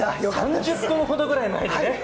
３０分ぐらい前にね。